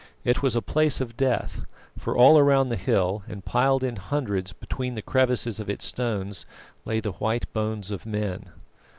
It was a place of death; for all around the hill, and piled in hundreds between the crevices of its stones, lay the white bones of men.